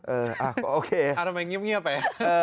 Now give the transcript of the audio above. โอเคทำไมเงียบไป